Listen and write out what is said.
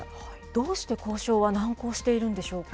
どうして交渉は難航しているんでしょうか。